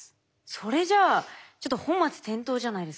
それじゃあちょっと本末転倒じゃないですか。